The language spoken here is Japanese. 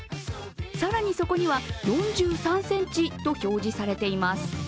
更にそこには４３ｃｍと表示されています。